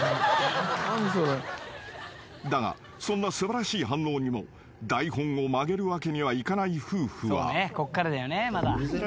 ［だがそんな素晴らしい反応にも台本を曲げるわけにはいかない夫婦は］